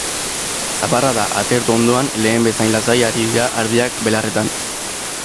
zaparrada atertu ondoan, lehen bezain lasai ari dira ardiak belarretan.